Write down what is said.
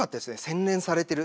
洗練されてる。